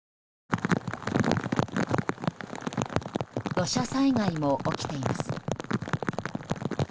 土砂災害も起きています。